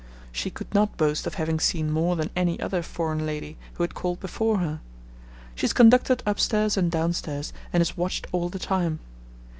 She could not boast of having seen more than any other foreign lady who had called before her. She is conducted upstairs and downstairs, and is watched all the time.